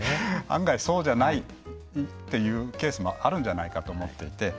案外そうじゃないっていうケースもあるんじゃないかと思っていて。